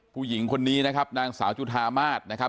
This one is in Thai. ผู้หญิงคนนี้นะครับนางสาวจุธามาศนะครับ